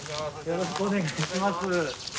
よろしくお願いします。